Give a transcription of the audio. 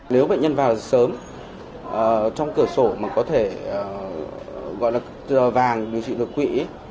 nếu bệnh nhân vào sớm trong cửa sổ mà có thể gọi là vàng điều trị đột quỵ